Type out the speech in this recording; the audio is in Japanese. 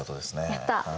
やった。